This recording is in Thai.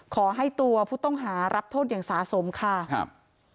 ขอให้ตัวผู้ต้องหารับโทษอย่างสะสมค่ะครับ